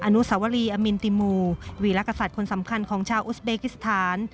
อนุสวรีอมินติมูวีรักษัตริย์คนสำคัญของชาวอุสเบกิสถาน